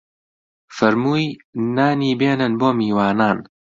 فەرمووی: نانی بێنن بۆ میوانان